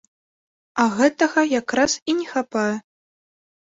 А гэтага якраз і не хапае.